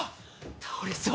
倒れそう！